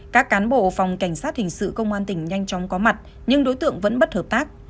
các cán bộ phòng cảnh sát hình sự công an tỉnh nhanh chóng có mặt nhưng đối tượng vẫn bất hợp tác